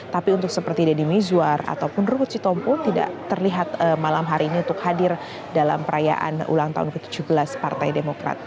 tapi untuk seperti deddy mizwar ataupun ruhut sitompul tidak terlihat malam hari ini untuk hadir dalam perayaan ulang tahun ke tujuh belas partai demokrat